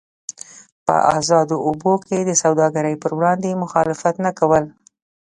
په ازادو اوبو کې د سوداګرۍ پر وړاندې مخالفت نه کول.